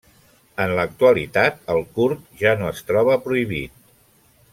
En l'actualitat, el kurd ja no es troba prohibit.